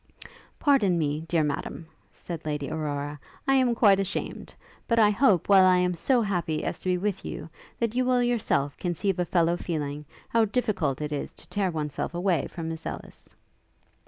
'Pardon me, dear Madam,' said Lady Aurora; 'I am quite ashamed; but I hope, while I am so happy as to be with you, that you will yourself conceive a fellow feeling, how difficult it is to tear one's self away from Miss Ellis.'